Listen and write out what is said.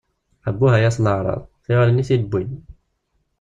Abbuh, ay at leεṛaḍ! Tiɣirin i t-id-ppwin!